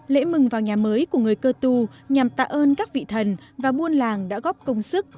lễ mừng vào nhà mới của người cơ tu nhằm tạ ơn các vị thần và buôn làng đã góp công sức